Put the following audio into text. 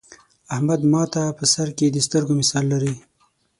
احمد ماته په سر کې د سترگو مثال لري.